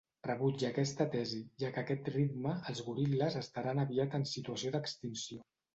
Rebutja aquesta tesi, ja que a aquest ritme, els goril·les estaran aviat en situació d'extinció.